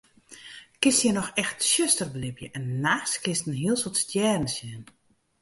Kinst hjir noch echt tsjuster belibje en nachts kinst in heel soad stjerren sjen.